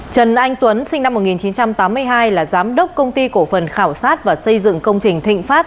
trần anh tuấn sinh năm một nghìn chín trăm tám mươi hai là giám đốc công ty cổ phần khảo sát và xây dựng công trình thịnh pháp